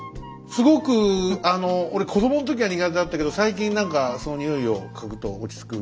すごくあの俺子どもの時は苦手だったけど最近何かその匂いを嗅ぐと落ち着く。